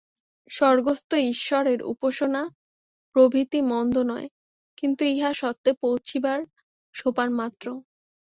স্বর্গস্থ ঈশ্বরের উপাসনা প্রভৃতি মন্দ নয়, কিন্তু ইহা সত্যে পৌঁছিবার সোপানমাত্র।